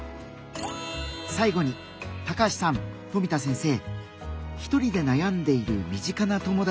最後に高橋さん富田先生。